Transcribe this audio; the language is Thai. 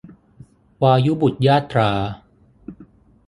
วายุบุตรยาตรา